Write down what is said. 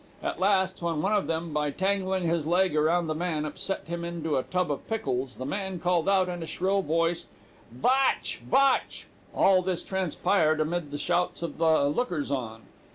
At last, when one of them, by tangling his leg around the man, upset him into a tub of pickles, the man called out, in a shrill voice, 'Vatch! vatch!' All this transpired amid the shouts of the lookers on.